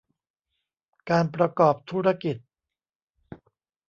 การประกอบธุรกิจ